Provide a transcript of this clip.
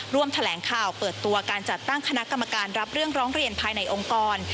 แถลงข่าวเปิดตัวการจัดตั้งคณะกรรมการรับเรื่องร้องเรียนภายในองค์กร